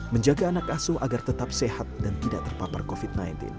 menjaga anak asuh agar tetap sehat dan tidak terpapar covid sembilan belas